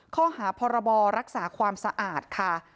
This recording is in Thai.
ข้อหาพรบรักษาความสะอาดค่ะ